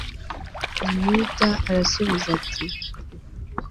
yuda arabasubiza ati